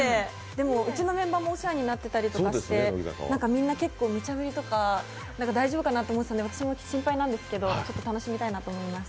でも、うちのメンバーもお世話になってたりとかして、みんな結構、無茶振りとか大丈夫かなとか言うので心配なんですけど、ちょっと楽しみたいなと思います。